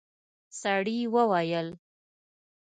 سړي وويل: